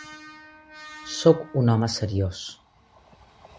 Sóc un home seriós.